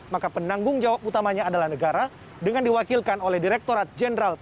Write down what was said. maka penanggung jawab utamanya adalah negara dengan diwakilkan oleh direkturat jenderal tni